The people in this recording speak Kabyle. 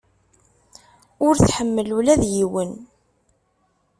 Ur tḥemmel ula d yiwen.